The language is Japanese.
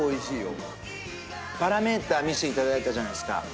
パラメーター見せていただいたじゃないですか。